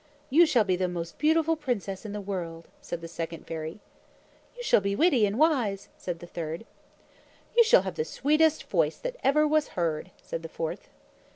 "You shall be the most beautiful princess in the world," said the second fairy. "You shall be witty and wise," said the third. "You shall have the sweetest voice that ever was heard," said the fourth.